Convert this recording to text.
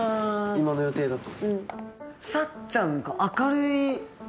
今の予定だと。